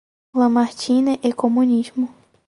Lamartine e Comunismo